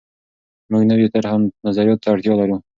موږ نویو طرحو او نظریاتو ته اړتیا لرو.